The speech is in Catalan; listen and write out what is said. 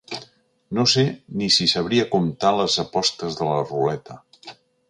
No sé ni si sabria comptar les apostes de la ruleta.